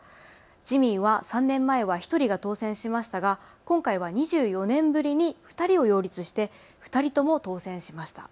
自民は３年前は１人が当選しましたが今回は２４年ぶりに２人を擁立して２人とも当選しました。